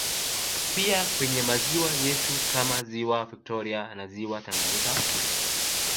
Pia kwenye maziwa yetu kama Ziwa viktoria na ziwa Tanganyika